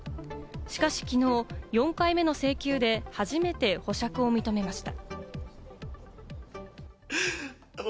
しかしきのう、４回目の請求で初めて保釈を認められました。